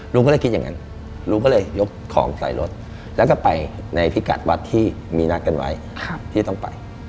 ลุงก็เลยคิดอย่างนั้นลุงก็เลยยกของใส่รถแล้วก็ไปในพิกัดวัดที่มีนัดกันไว้ที่จะต้องไป